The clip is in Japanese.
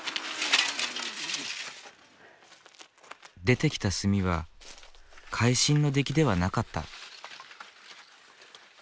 出てきた炭は会心の出来ではなかった。